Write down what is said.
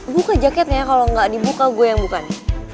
buka jaketnya kalo gak dibuka gue yang buka nih